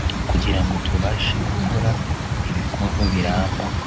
kugira ngo tubashe gukora ibikorwa biramba